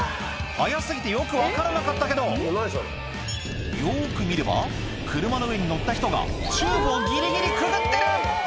速過ぎてよく分からなかったけどよく見れば車の上に乗った人がチューブをギリギリくぐってる！